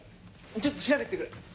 ちょっと調べてくる！